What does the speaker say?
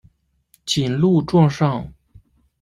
谨录状上。